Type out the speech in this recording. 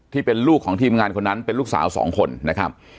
ที่เป็นลูกของทีมงานคนนั้นเป็นลูกสาวสองคนนะครับ